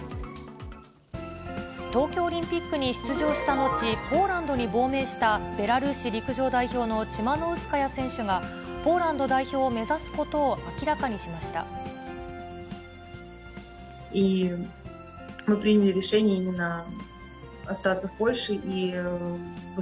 東京オリンピックに出場した後、ポーランドに亡命したベラルーシの陸上代表のチマノウスカヤ選手が、ポーランド代表を目指すことを明らかにしました。